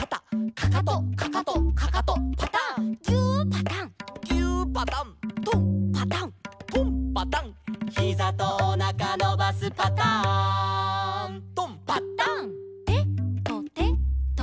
「かかとかかとかかとパタン」「ぎゅーパタン」「ぎゅーパタン」「とんパタン」「とんパタン」「ひざとおなかのばすパターン」「とん」「パタン」「てとてと」